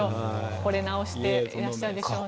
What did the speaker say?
惚れ直していらっしゃるでしょうね。